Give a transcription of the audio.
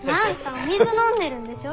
お水飲んでるんでしょ？